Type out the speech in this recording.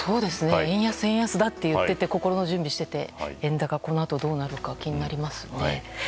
円安だと言ってて心の準備をしていて円高、このあとどうなるのか気になりますね。